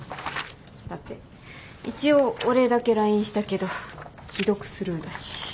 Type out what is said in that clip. だって一応お礼だけＬＩＮＥしたけど既読スルーだし。